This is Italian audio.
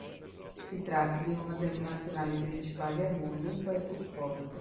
Si tratta di una delle nazionali principali al mondo in questo sport.